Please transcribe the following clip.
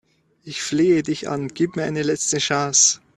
Ich flehe dich an, gib mir eine letzte Chance!